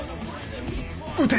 打て！